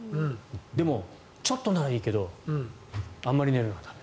でもちょっとならいいけどあんまり寝るのは駄目。